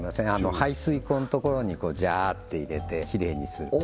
排水口のところにジャーって入れてきれいにするあ